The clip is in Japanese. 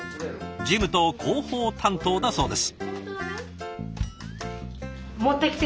事務と広報担当だそうです。